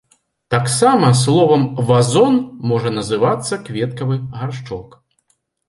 Таксама словам вазон можа называцца кветкавы гаршчок.